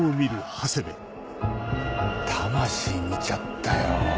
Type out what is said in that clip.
魂見ちゃったよ。